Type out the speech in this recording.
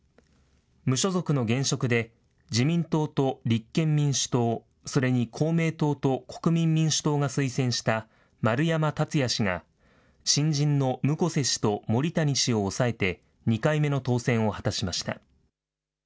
無所属の現職で、自民党と立憲民主党、それに公明党と国民民主党が推薦した、丸山達也氏が、新人の向瀬氏と森谷氏を抑えて、２回目の当選を果たしました。